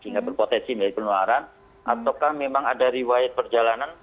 sehingga berpotensi menjadi penularan ataukah memang ada riwayat perjalanan